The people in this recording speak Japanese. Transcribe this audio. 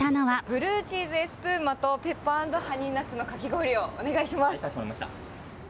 ブルーチーズエスプーマとペッパー＆ハニーナッツのかき氷をかしこまりました。